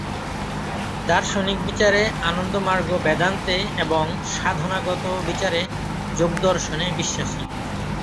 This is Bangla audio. দার্শনিক বিচারে আনন্দমার্গ বেদান্তে এবং সাধনাগত বিচারে যোগদর্শনে বিশ্বাসী।